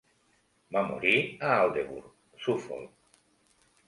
Va morir a Aldeburgh, Suffolk.